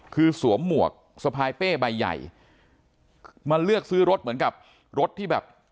คือสวมหมวกสะพายเป้ใบใหญ่มาเลือกซื้อรถเหมือนกับรถที่แบบ